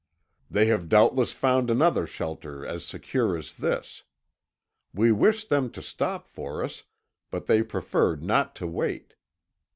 They have doubtless found another shelter as secure as this. We wished them to stop for us, but they preferred not to wait.